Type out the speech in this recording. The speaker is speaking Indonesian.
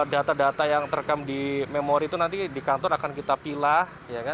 data data yang terekam di memori itu nanti di kantor akan kita pilih